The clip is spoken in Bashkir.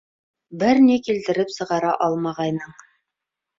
Бер ни килтереп сығара алмағайның.